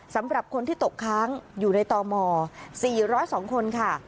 สำหรับคนที่ตกค้างอยู่ในตม๔๐๒คนค่ะ